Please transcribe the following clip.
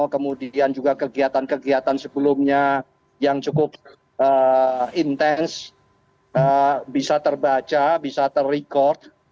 kemudian juga kegiatan kegiatan sebelumnya yang cukup intens bisa terbaca bisa ter record